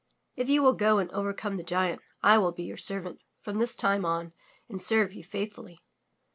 If you will go and overcome the giant, I will be your servant from this time on and serve you faithfully."